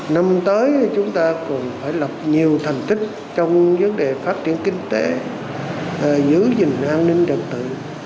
năm tới chúng ta còn phải lập nhiều thành tích trong vấn đề phát triển kinh tế giữ gìn an ninh trật tự